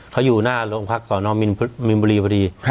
เขาอยู่หน้าโรงพักษณะมิลบุรีพอดี